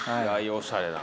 おしゃれな。